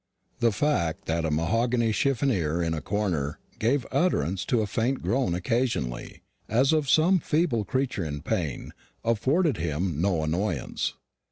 The fact that a mahogany chiffonier in a corner gave utterance to a faint groan occasionally, as of some feeble creature in pain, afforded him no annoyance.